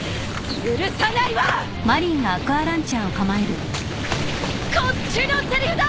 許さないはこっちのセリフだ！